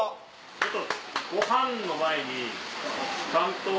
ちょっと。